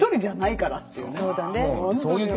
そうだね。